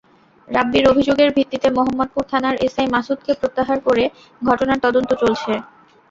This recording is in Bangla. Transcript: রাব্বীর অভিযোগের ভিত্তিতে মোহাম্মদপুর থানার এসআই মাসুদকে প্রত্যাহার করে ঘটনার তদন্ত চলছে।